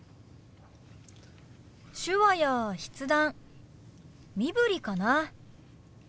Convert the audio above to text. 手話や筆談身振りかな。